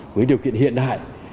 với điều kiện hiện đại